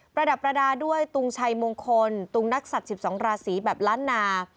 ระดับประดาษด้วยตุงชัยมงคลตุงนักสัตว์๑๒ราศีแบบล้านนา